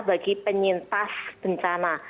bagi penyintas bencana